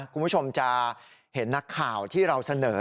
คุณผู้ชมจะเห็นนักข่าวที่เราเสนอ